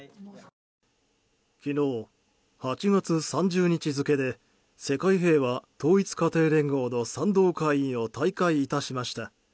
昨日、８月３０日付で世界平和統一家庭連合の賛同会員を退会いたしました。